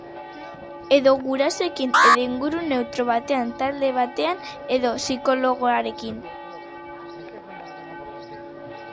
Edo gurasoekin, edo inguru neutro batean, talde batean edo psikologoarekin.